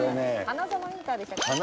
花園インターでしたっけ？